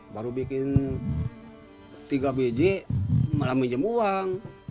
baru bikin tiga biji malah minjem uang